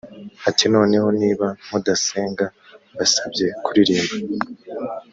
ati “noneho niba mudasenga mbasabye kuririmba”